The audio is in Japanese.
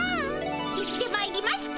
行ってまいりました。